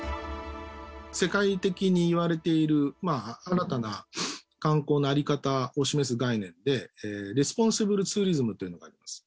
世界的にいわれている、新たな観光の在り方を示す概念で、レスポンスブルツーリズムというのがあります。